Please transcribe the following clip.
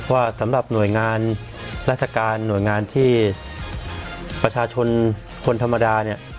ว่าสำหรับหน่วยงานราชการหน่วยงานที่ประชาชนคนธรรมดาเนี่ย